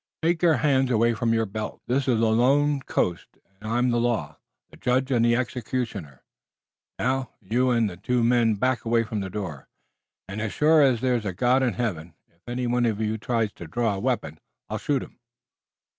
Take your hands away from your belt. This is a lone coast, and I'm the law, the judge and the executioner. Now, you and the two men back away from the door, and as sure as there's a God in Heaven, if any one of you tries to draw a weapon I'll shoot him.